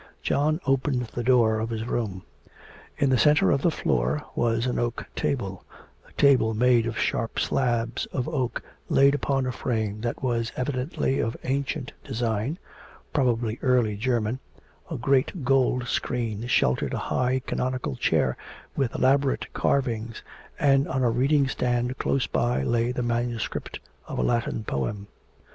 John opened the door of his room. In the centre of the floor was an oak table a table made of sharp slabs of oak laid upon a frame that was evidently of ancient design, probably early German, a great, gold screen sheltered a high canonical chair with elaborate carvings, and on a reading stand close by lay the manuscript of a Latin poem.